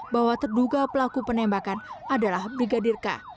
bahwa terduga pelaku penembakan adalah brigadir k